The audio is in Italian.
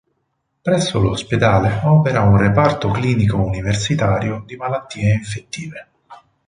Presso l'Ospedale opera un Reparto Clinico Universitario di Malattie Infettive.